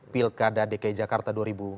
pilkada dki jakarta dua ribu tujuh belas